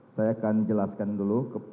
saya akan jelaskan dulu